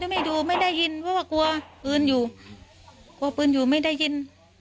ไม่ไม่ได้ยินเพราะว่ากลัวปืนอยู่ไม่ได้ยิน